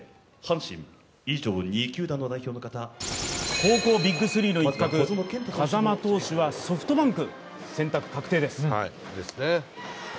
高校ＢＩＧ３の一角、風間投手はソフトバンク、選択確定です。